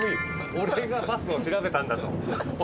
俺がバスを調べたんだと。